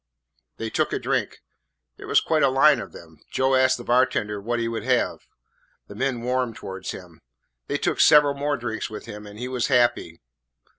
They took a drink. There was quite a line of them. Joe asked the bartender what he would have. The men warmed towards him. They took several more drinks with him and he was happy.